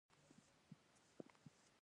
له پښتني قبایلو څخه وغوښتل.